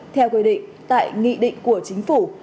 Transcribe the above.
theo quy định tại nghị định của chính phủ